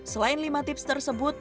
selain lima tips tertentu